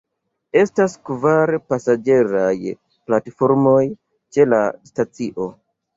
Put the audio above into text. Estas kvar pasaĝeraj platformoj ĉe la stacio.